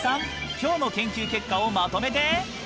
きょうの研究結果をまとめて！